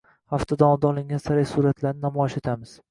Hafta davomida olingan sara suratlarni namoyish etamiz